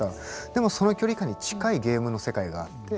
でもその距離感に近いゲームの世界があって。